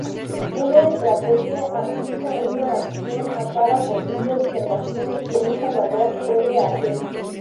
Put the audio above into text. Una estrategia asigna una acción a cada posible observación que un jugador puede hacer.